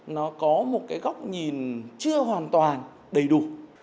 nó có một cái góc nhìn chưa hoàn toàn đầy đủ